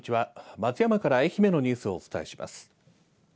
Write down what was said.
松山から愛媛のニュースをお伝えします。